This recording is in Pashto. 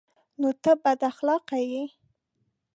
_نو ته بد اخلاقه يې؟